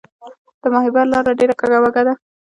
د ماهیپر لاره ډیره کږه وږه ده